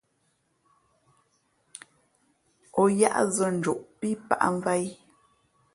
O yát zᾱ njoꞌ pí pǎʼmvāt í ?